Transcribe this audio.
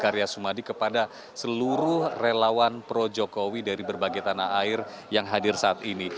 ria sumadi kepada seluruh relawan projokowi dari berbagai tanah air yang hadir saat ini